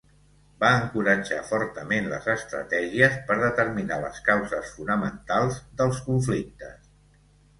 Va encoratjar fortament les estratègies per determinar les causes fonamentals dels conflictes.